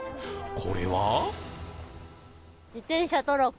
これは？